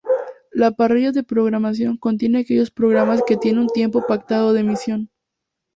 La parrilla de programación contiene aquellos programas que tienen un tiempo pactado de emisión.